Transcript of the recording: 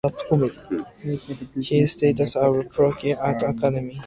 He studied at the Prague Art Academy.